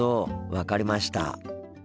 分かりました。